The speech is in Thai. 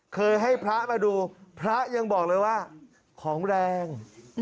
เคยให้พระมาดูพระยังบอกเลยว่าของแรง